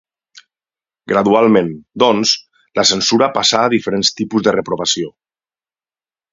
Gradualment, doncs, la censura passà a diferents tipus de reprovació.